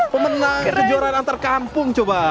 pemenang kejuaraan antar kampung coba